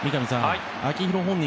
秋広本人